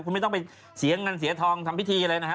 คุณไม่ต้องไปเสียเงินเสียทองทำพิธีอะไรนะฮะ